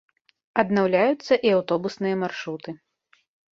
Аднаўляюцца і аўтобусныя маршруты.